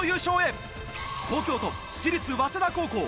東京都私立早稲田高校。